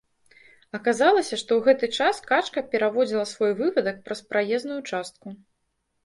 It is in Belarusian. Аказалася, што ў гэты час качка пераводзіла свой вывадак праз праезную частку.